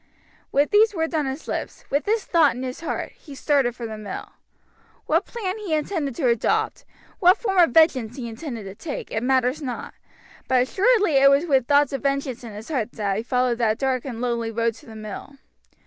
"With these words on his lips, with this thought in his heart, he started for the mill. What plan he intended to adopt, what form of vengeance he intended to take, it matters not, but assuredly it was with thoughts of vengeance in his heart that he followed that dark and lonely road to the mill.